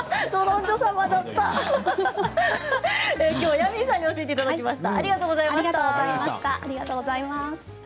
ヤミーさんに教えていただきました。